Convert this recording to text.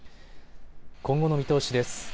今後の見通しです。